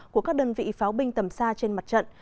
của các đơn vị pháo binh tầm xa trên mặt trận